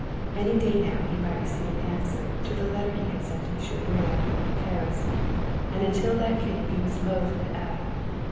Any day now he might receive an answer to the letter he had sent to M. Brea in Paris, and until that came he was loath to act.